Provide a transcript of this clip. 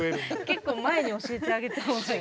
結構前に教えてあげた方がいい。